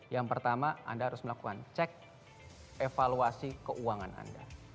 yang pertama anda harus melakukan cek evaluasi keuangan anda